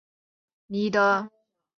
泰拉诺娃出生于义大利托斯卡尼的。